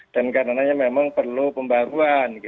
dan karenanya memang perlu pembaruan